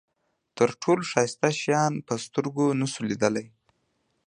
تر ټولو ښایسته شیان په سترګو نشو لیدلای.